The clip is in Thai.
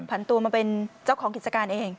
ตัวมาเป็นเจ้าของกิจการเอง